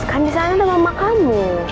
kan disana ada mama kamu